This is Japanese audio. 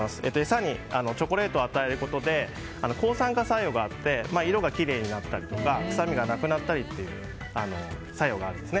餌にチョコレートを与えることで抗酸化作用があって色がきれいになったり臭みがなくなったりする作用があるんです。